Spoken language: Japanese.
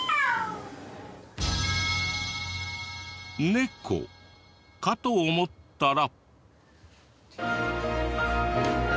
ネコかと思ったら。